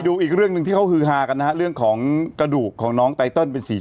เดี๋ยวเร็วเร็ว